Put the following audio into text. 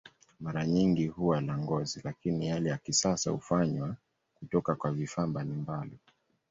Mara nyingi huwa la ngozi, lakini yale ya kisasa hufanywa kutoka kwa vifaa mbalimbali.